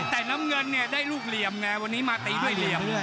แต่น้ำเงินเนี่ยได้ลูกเหลี่ยมไงวันนี้มาตีด้วยเหลี่ยม